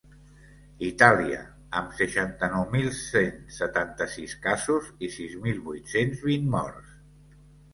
Itàlia, amb seixanta-nou mil cent setanta-sis casos i sis mil vuit-cents vint morts.